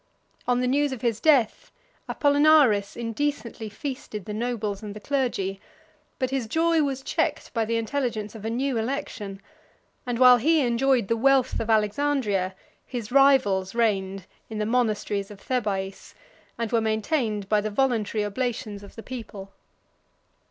On the news of his death, Apollinaris indecently feasted the nobles and the clergy; but his joy was checked by the intelligence of a new election; and while he enjoyed the wealth of Alexandria, his rivals reigned in the monasteries of Thebais, and were maintained by the voluntary oblations of the people.